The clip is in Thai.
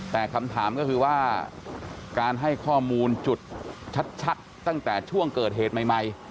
แต่คำถามก็คือว่าการให้ข้อมูลจุดชัดตั้งแต่ช่วงเกิดเหตุใหม่